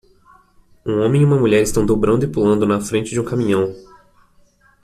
Um homem e uma mulher estão dobrando e pulando na frente de um caminhão.